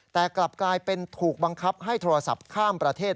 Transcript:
แต่กลับกลายเป็นถูกบังคับให้โทรศัพท์ข้ามประเทศ